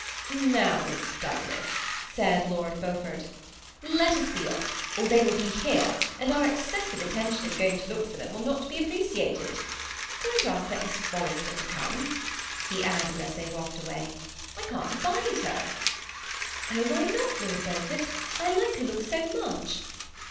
" Now, Miss Douglas," said Lord Beaufort, " let us be off, or they will be here, and our excessive attention in going to look for them will not be appreciated. " Don't ask that Miss Forrester to come," he added, as they walked away, " I can't abide her." " Oh ! why not. Lord Beaufort ? I like her looks so much."